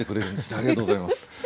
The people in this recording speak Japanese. ありがとうございます。